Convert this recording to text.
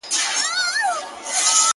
قصابان یې د لېوه له زامو ژغوري-